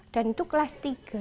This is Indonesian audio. dan itu kelas tiga